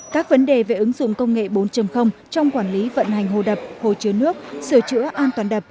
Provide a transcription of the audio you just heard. các vấn đề về ứng dụng công nghệ bốn trong quản lý vận hành hồ đập hồ chứa nước sửa chữa an toàn đập